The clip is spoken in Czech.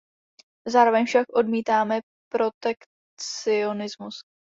Zároveň však odmítáme protekcionismus.